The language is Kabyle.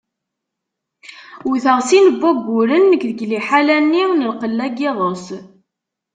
Wwteɣ sin n wayyuren nekk deg liḥala-nni n lqella n yiḍes.